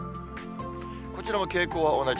こちらも傾向は同じ。